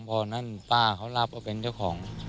พอนั้นป้าเขารับว่าเป็นเจ้าของ